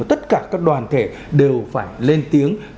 tất cả các đoàn thể đều phải lên tiếng